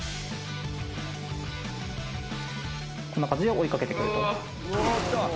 こんな感じで追いかけてくると。